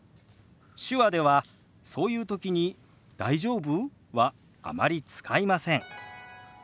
手話ではそういう時に「大丈夫？」はあまり使いません。